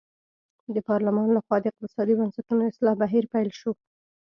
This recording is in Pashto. د پارلمان له خوا د اقتصادي بنسټونو اصلاح بهیر پیل شو.